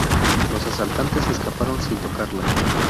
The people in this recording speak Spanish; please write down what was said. Los asaltantes escaparon sin tocarla.